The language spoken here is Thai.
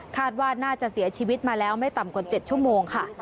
ว่าน่าจะเสียชีวิตมาแล้วไม่ต่ำกว่า๗ชั่วโมงค่ะ